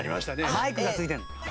マイクが付いてるの。